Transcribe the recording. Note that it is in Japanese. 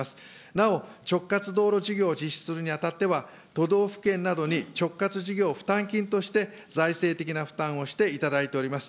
なお、直轄道路事業を実施するにあたっては、都道府県などに直轄事業負担金として財政的な負担をしていただいております。